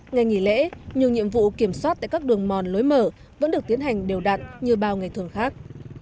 ngày nghỉ lễ nhiều nhiệm vụ kiểm soát tại các đường mòn lối mở vẫn được tiến hành đều đặn như bao ngày thường khác